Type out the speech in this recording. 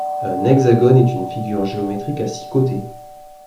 Un hexagone est une figure géométrique à six côtés.